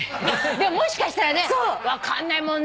もしかしたらね分かんないもんね